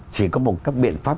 chỉ có một các biện pháp